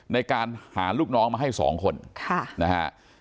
ในการหาลูกน้องมาให้๒คนนะฮะ